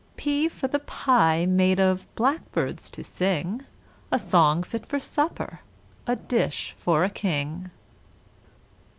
P for the Pie made of blackbirds to sing, A song fit for supper a dish for a king.